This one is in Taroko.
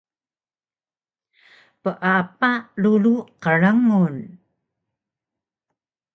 Peapa rulu qrngul